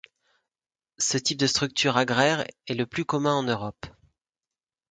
Ce type de structure agraire est le plus commun en Europe.